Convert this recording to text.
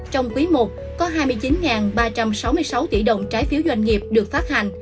trong quý i có hai mươi chín ba trăm sáu mươi sáu tỷ đồng trái phiếu doanh nghiệp được phát hành